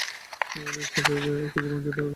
Register ফাইভে কিছু ভাংতির দরকার।